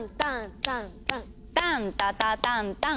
タンタタタンタン！